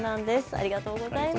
ありがとうございます。